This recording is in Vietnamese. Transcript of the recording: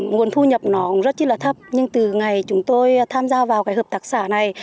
nguồn thu nhập nó cũng rất là thấp nhưng từ ngày chúng tôi tham gia vào cái hợp tác xã này